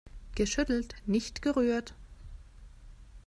Geschüttelt, nicht gerührt!